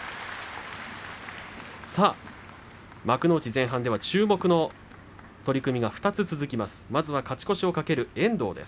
幕内前半では注目の取組、２つ続きます。